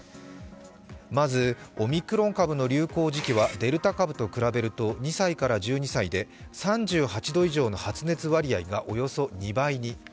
まずオミクロン株の流行時期はデルタ株と比べると２歳から１２歳で３８度以上の発熱割合がおよそ２倍に。